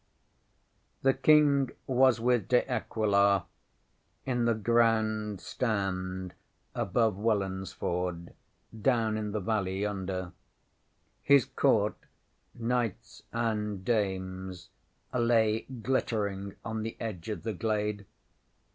ŌĆśThe King was with De Aquila in the Grand Stand above Welansford down in the valley yonder. His Court knights and dames lay glittering on the edge of the glade.